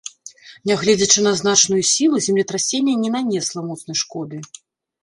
Нягледзячы на значную сілу, землетрасенне не нанесла моцнай шкоды.